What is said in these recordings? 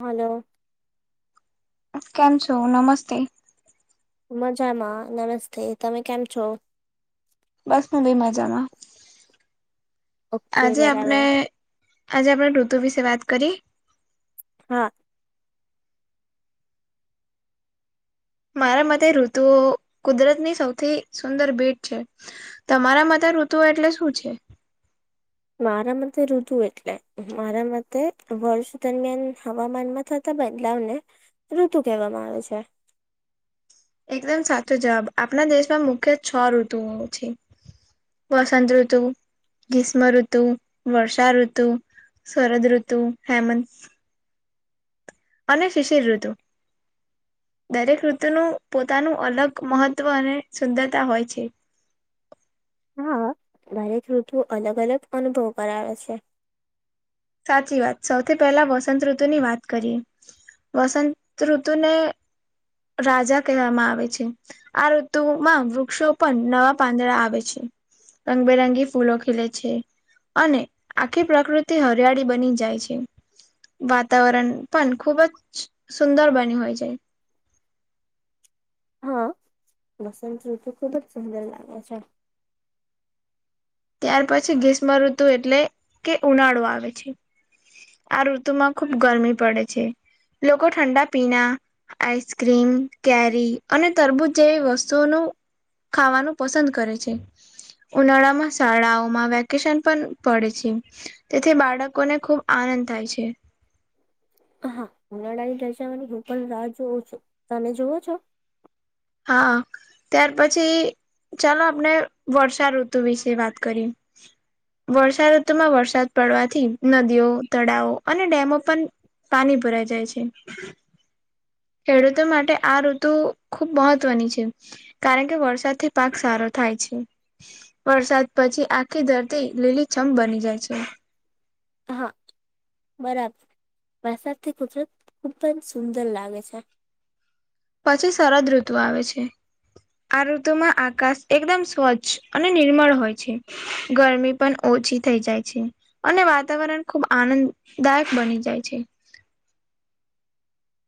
Hello કેમ છો નમસ્તે. મજામાં નમસ્તે તમે કેમ છો. બસ હુ બી મજામાં. ઓકે આજે આપણે બરાબર આજે આપણે ઋતુ વિશે વાત કરી હા. મારા માટે ઋતુઓ કુદરતની સૌથી સુંદર ભેંટ છે. તમારા માટે ઋતુઓ એટલે શું છે. મારા મતે ઋતુ એટલે મારા મતે વર્ષ દરમિયાન હવામાનમાં થતો બદલાવને ઋતુ કહેવામાં આવે છે. એકદમ સાચો જવાબ આપણા દેશમાં મુખ્ય છ ઋતુ ઓ છે. વસંતઋતુ. ગ્રીષ્મઋતુ વર્ષાઋતુ શરદ ઋતુ હેમંત. અને શિશર ઋતુ. દરેક ઋતુનું પોતાનું અલગ મહત્વ અને સુંદરતા હોય છે. હા મારે ઋતુ અલગ અલગ અનુભવ કરાવે છે. સાચી વાત સૌથી પહેલા વસંત ઋતુ ની વાત કરીએ. વસંત ઋતુ ને રાજા કહેવામાં આવે છે. આ ઋતુમાં વૃક્ષો પણ નવા પાંદડા આવે છે. રંગબેરંગી ફૂલો ખીલે છે અને આખી પ્રકૃતિ હરિયાળી બની જાય છે. વાતાવરણ પણ ખુબ જ સુંદર બન્યુ હોય છે. હા વસંત ઋતુ ખુબ જ સુંદર લાગે છે. ત્યાર પછી ગીષ્મ ઋતુ એટલે કે ઉનાળો આવે છે. આ ઋતુમાં ખુબ ગરમી પડે છે લોકો ઠંડા પીણા આઈસક્રીમ કેરી અને તરબૂજ જેવી વસ્તુઓનું. ખાવાનું પસંદ કરે છે ઉનાળામાં. શાળાઓમાં વેકેશન પણ પડે છે તેથી બાળકોને ખુબ આનંદ થાય છે. હા ઉનાળા ની રજાવાની હું પણ રાહ જોઉં છું તમે જોવો છો. હા ત્યાર પછી. ચાલો આપણે વર્ષા ઋતુ વિશે વાત કરી. વર્ષા ઋતુમાં વરસાદ પડવાથી નદીઓ તળાવો અને ડેમો પણ પાણી ભુરાઈ જાય છે ખેડૂતો માટે આ ઋતુ ખૂબ મહત્વની છે કારણ કે વરસાદથી પાક સારો થાય છે વરસાદ પછી આખી ધરતી લીલીછમ બની જાય છે. હા બરાબર વરસાદથી કુદરત ખૂબ જ સુંદર લાગે છે. પછી સરદ ઋતુ આવે છે. આ ઋતુમાં આકાશ એકદમ સ્વચ્છ અને નિર્મળ હોય છે. ગરમી પણ ઓછી થઈ જાય છે. અને વાતાવરણ ખુબ આનંદદાયક બની જાય છે.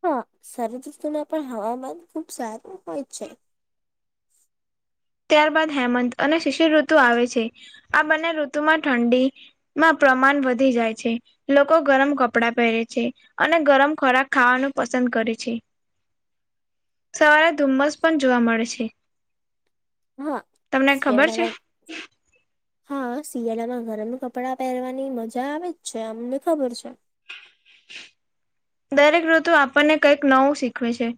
હા સર ઋસ્તુમાં પણ હવામાન ખુબ સારું હોય છે ત્યારબાદ હેમંત અને શિશિર ઋતુ આવે છે આ બંને ઋતુ માં ઠંડી માં પ્રમાણ વધી જાય છે લોકો ગરમ કપડાં પહેરે છે અને ગરમ ખોરાક ખાવાનું પસંદ કરે છે સવારે ધુમ્મસ પણ જોવા મળે છે [unintelligible] હા તમને ખબર છે? શિયાળામાં ગરમ કપડાં પહેરવાની મજા આવે જ છે અમને ખબર છે દરેક ઋતુ આપણને કંઈક નવું શીખવે છે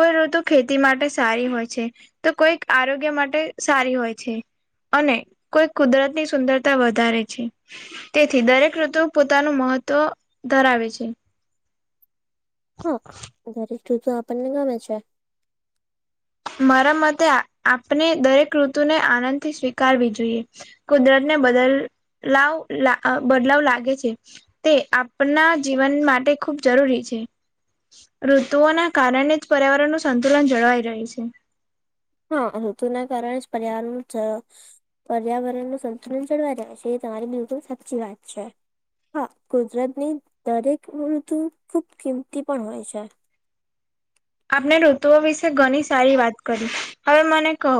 કોઈ ઋતુ ખેતી માટે સારી હોય છે તો કોઈ આરોગ્ય માટે સારી હોય છે અને કોઈ કુદરત ની સુંદરતા વધારે છે તેથી દરેક ઋતુ પોતાનું મહત્વ ધરાવે છે હા દરેક જૂતો આપણને ગમે છે મારા મતે આપણે દરેક ઋતુને આનંદ થી સ્વીકારવી જોઈએ કુદરત ને બદલાવ બદલાવ લાગે છે તે આપના જીવન માટે ખૂબ જરૂરી છે ઋતુઓના કારણે જ પર્યાવરણનું સંતુલન જળવાઈ રહે્યું છે હા ઋતુ ના કારણે જ પરિવારનું પર્યાવરણ નું સંતુલન જળવા રહે છે એ તમારી બિલકુલ સાચી વાત છે હા ગુજરાતની દરેક મૃત્યુ ખુબ કિંમતી પણ હોય છે આપણે ઋતુઓ વિશે ઘણી સારી વાત કરી હવે મને કહો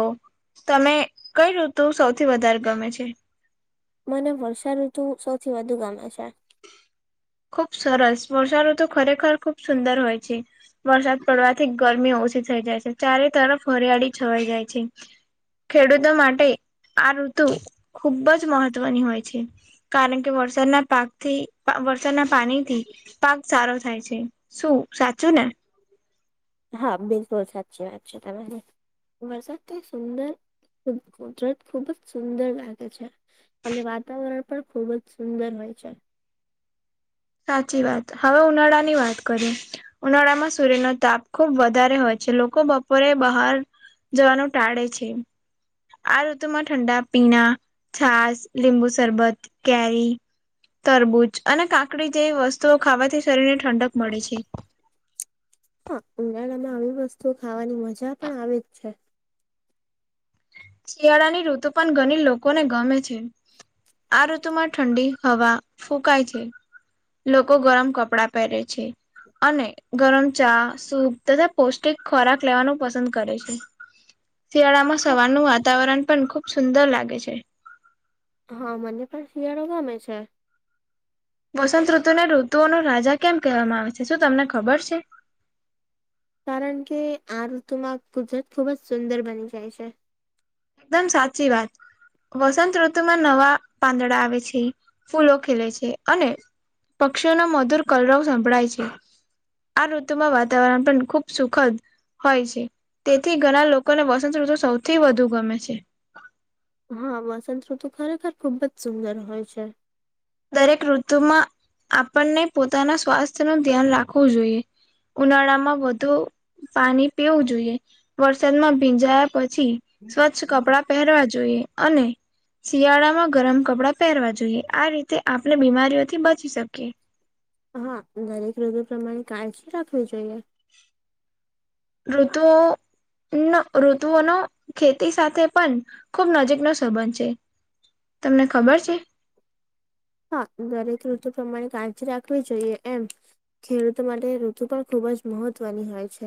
તમે કઈ ઋતુ સૌથી વધારે ગમે છે મને વર્ષા ઋતુ સૌથી વધુ ગમે છે ખુબ સરસ વર્ષા ઋતુ તો ખરેખર ખુબ સુંદર હોય છે વરસાદ પડવાથી ગરમી ઓછી થઇ જાય છે ચારે તરફ હરિયાળી છવાઈ જાય છે ખેડૂતો માટે આ ઋતુ ખુબ જ મહત્વની હોય છે કારણ કે વરસાદના પાકથી વરસાદ ના પાણી થી પાક સારો થાય છે શું સાચું ને હા બિલકુલ સાચી વાત છે તમારી વરસાદ તો સુંદર કુદરત ખુબ જ સુંદર લાગે છે અને વાતાવરણ પણ ખુબ જ સુંદર હોય છે સાચી વાત હવે ઉનાળા ની વાત કરીએ ઉનાળામાં સૂર્યનો તાપ ખુબ વધારે હોય છે લોકો બપોરે બહાર જવાનું ટાળે છે આ ઋતુ માં ઠંડા પીણા છાસ લીંબુ શરબત કેરી તરબૂજ અને કાકડી જેવી વસ્તુઓ ખાવાથી શરીર ને ઠંડક મળે છે હા ઉનાળા માં આવી વસ્તુ ખાવાની મજા પણ આવે જ છે શિયાળાની ઋતુ પણ ઘણી લોકોને ગમે છે આ ઋતુમાં ઠંડી હવા ફૂકાય છે લોકો ગરમ કપડા પહેરે છે અને ગરમ ચા સૂપ તથા પૌષ્ટિક ખોરાક લેવાનું પસંદ કરે છે શિયાળામાં હા સવારનું વાતાવરણ પણ ખુબ સુંદર લાગે છે હા મને પણ શિયાળો ગમે છે વસંત ઋતુને ઋતુઓનો રાજા કેમ કહેવામાં આવે છે શું તમને ખબર છે કારણ કે આ ઋતુમાં કુદરત ખુબ જ સુંદર બની જાય છે એકદમ સાચી વાત વસંત ઋતુ માં નવા પાંદડા આવે છે ફૂલો ખેલે છે અને પક્ષીઓનો મધુર કલરવ સંભળાય છે. આ ઋતુમાં વાતાવરણ પણ ખૂબ સુખદ હોય છે તેથી ઘણા લોકોને વસંતઋતુ સૌથી વધુ ગમે છે હા વસંતઋતુ ખરેખર ખુબ જ સુંદર હોય છે દરેક ઋતુમાં આપણને પોતાના સ્વાસ્થ્ય નું ધ્યાન રાખવું જોઈએ ઉનાળામાં વધુ પાણી પીવું જોઈએ વરસાદમાં ભીંજાયા પછી સ્વચ્છ કપડા પહેરવા જોઈએ અને શિયાળામાં ગરમ કપડા પહેરવા જોઈએ આ રીતે તે આપણે બીમારીઓથી બચી શકીએ હા દરેક ઋતુ પ્રમાણે કાળજી રાખવી જોઈએ ઋતુઓ ઋતુઓનો ખેતી સાથે પણ ખૂબ નજીકનો સંબંધ છે તમને ખબર છે હા દરેક ઋતુ પ્રમાણે કાળજી રાખવી જોઈએ એમ ખેડૂતો માટે ઋતુ પણ ખુબ જ મહત્વની હોય છે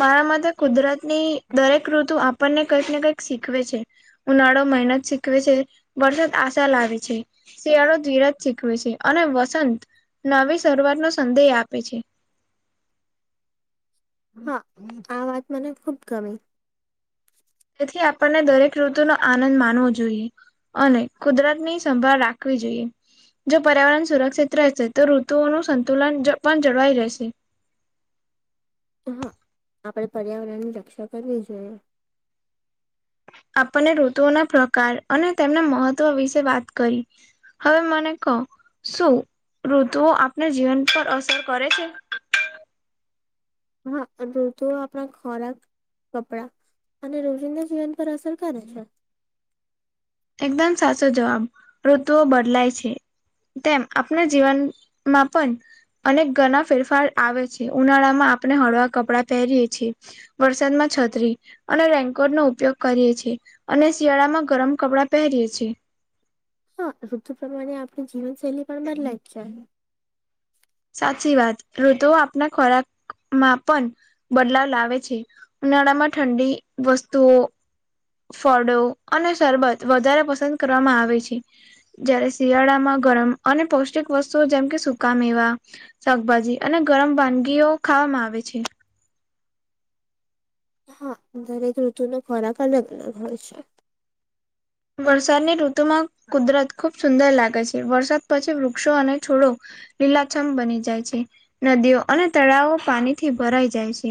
મારા મતે કુદરતની દરેક ઋતુ આપણને કંઈક ને કંઈક શીખવે છે ઉનાળો મહેનત શીખવે છે વરસાદ આશા લાવે છે શિયાળો ધીરજ શીખવે છે અને વસંત નવી શરૂઆતનો સંદેહ આપે છે હા આ વાત મને ખુબ ગમી તેથી આપણને દરેક ઋતુ નો આનંદ માનવો જોઈએ અને કુદરત ની સંભાળ રાખવી જોઈએ જો પર્યાવરણ સુરક્ષિત રહેશે તો ઋતુઓનું સંતુલન જ પણ જળવાઈ રહેશે. હા આપડે પર્યાવરણ ની રક્ષા કરવી જોઈએ. આપણને ઋતુઓના પ્રકાર અને તેમના મહત્વ વિશે વાત કરી હવે મને કહો શું ઋતુઓ આપને જીવન પર અસર કરે છે. હા ઋતુઓ આપણા ખોરાક કપડા અને રોજિંદા જીવન પર અસર કરે છે એકદમ સાચો જવાબ ઋતુઓ બદલાય છે તેમ આપણા જીવનમાં પણ અને ઘણા ફેરફાર આવે છે ઉનાળા માં આપણે હળવા કપડાં પહેરીએ છીએ વરસાદમાં છતરી અને રેનકોટ નો ઉપયોગ કરીએ છીએ અને શિયાળામાં ગરમ કપડા પહરી એ છીએ હા ઋતુ પ્રમાણે આપણી જીવનશૈલી પણ બદલાય જ ચા સાચી વાત ઋતુઓ આપના ખોરાક માં પણ બદલાવ લાવે છે ઉનાળા માં ઠંડી વસ્તુઓ ફળો અને શરબત વધારે પસંદ કરવામાં આવે છે જયારે શિયાળામાં ગરમ અને પૌષ્ટિક વસ્તુઓ જેમકે સુકા મેવા શાકભાજી અને ગરમ વાનગીઓ ખાવામાં આવે છે હા દરેક ઋતુનો ખોરાક અલગ અલગ હોય છે વરસાદની ઋતુમાં કુદરત ખુબ સુંદર લાગે છે વરસાદ પછી વૃક્ષો અને છોડો લીલાછમ બની જાય છે નદીઓ અને તળાવો પાણીથી ભરાઈ જાય છે.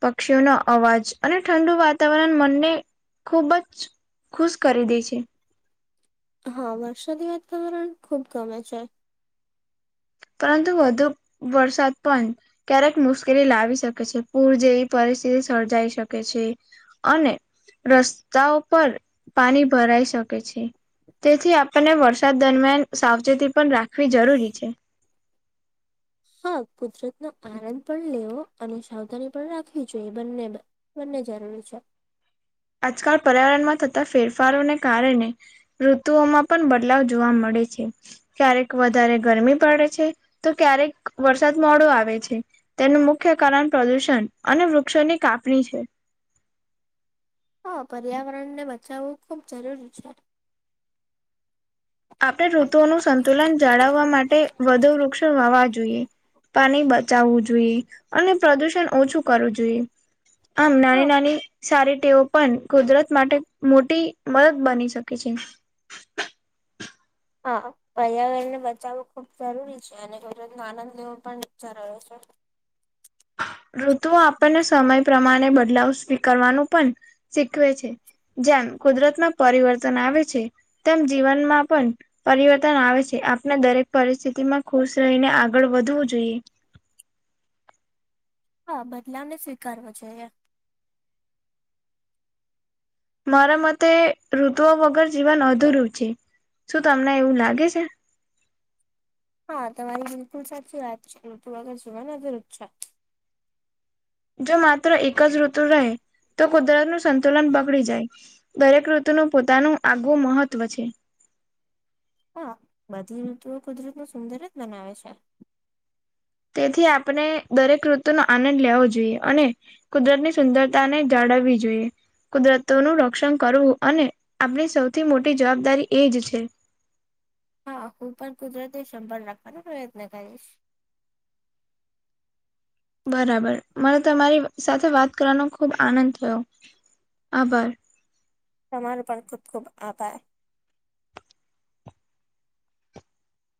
પક્ષીઓનો અવાજ અને ઠંડુ વાતાવરણ મનેખુબ જ ખુશ કરી દે છે હા વર્ષોદી વાતાવરણ ખુબ ગમે છે પરંતુ વધુ વરસાદ પણ ક્યારેક મુશ્કેલી લાવી શકે છે, પૂર જેવી પરિસ્થિતિ સર્જાઈ શકે છે. અને રસ્તાઓ પર પાણી ભરાઈ શકે છે. તેથી આપણને વરસાદ દરમિયાન સાવચેતી પણ રાખવી જરૂરી છે. હા કુદરત નો આનંદ પણ લેવો અને સાવધાની પણ રાખવી જોઈએ બંને બંને જરૂરી છે આજકાલ પર્યાવરણમાં થતા ફેરફારોને કારણે ઋતુઓમાં પણ બદલાવ જોવા મળે છે. ક્યારેક વધારે ગરમી પડે છે તો ક્યારેક વરસાદ મોડો આવે છે. તેનું મુખ્ય કારણ પ્રદુષણ અને વૃક્ષોની કાપણી છે. હા, પર્યાવરણ ને બચાવવું ખુબ જરૂરી છે. આપણે ઋતુઓનું સંતુલન જાળવવા માટે વધુ વૃક્ષ વાવવા જોઈએ. પાણી બચાવવું જોઈએ, અને પ્રદુષણ ઓછું કરવું જોઈએ. આમ હા નાની-નાની સારે ટેવ પણ કુદરત માટે મોટી મદદ બની શકે છે. હા. પર્યાવરણ ને બચાવવું ખુબ જરૂરી છે, અને કુદરત નો આનંદ લેવો પણ જરૂરી છે. ઋતુઓ આપણને સમય પ્રમાણે બદલાવ સ્વીકારવાનું પણ શીખવે છે. જેમ કુદરતમાં પરિવર્તન આવે છે, તેમ જીવનમાં પણ પરિવર્તન આવે છે. આપણે દરેક પરિસ્થિતિ માં ખુશ રહીને આગળ વધવું જોઈએ. હા બદલાવને સ્વીકારવો જોઈએ. મારા મતે ઋતુઓ વગર જીવન અધુરું છે. શું તમને એવું લાગે છે? હા, તમારી બિલકુલ સાચી વાત છે. ૠતું વગર જીવન અધુરું જ છે. જો માત્ર એક જ ઋતુ રહે, તો કુદરત નું સંતુલન બગડી જાય. દરેક ઋતુનું પોતાનું આગવું મહત્વ છે. હા. બધી ઋતુઓ કુદરત ને સુંદર જ બનાવે છે. તેથી આપને દરેક ઋતુનો આનંદ લેવો જોઈએ, અને કુદરત ની સુંદરતા ને જાળવવી જોઈએ. કુદરતો નું રક્ષણ કરવું, અને આપણી સૌથી મોટી જવાબદારી એ જ છે. હા. હું પણ કુદરતને સંભાળ રાખવાનો પ્રયત્ન કરીશ. બરાબર. મને તમારી સાથે વાત કરવાનો ખૂબ આનંદ થયો, આભાર. તમારો પણ ખૂબ-ખૂબ આભાર.